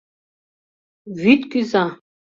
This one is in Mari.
— Вӱд кӱза!